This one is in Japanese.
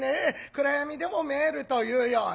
暗闇でも見えるというようなね。